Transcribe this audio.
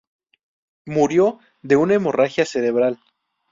Murió de una hemorragia cerebral.